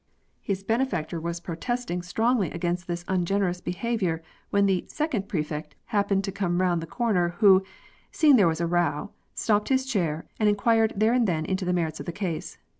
His benefactor was protesting * Fifty taels, equal to about ^15. JURISPRUDENCE. 8i strongly against this ungenerous behaviour when the " second Prefect " happened to come round the comer, who, seeing there was a row, stopped his chair, and inquired there and then into the merits of the case.